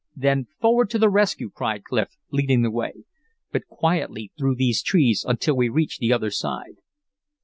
"Then, forward to the rescue!" cried Clif, leading the way. "But quietly through these trees until we reach the other side."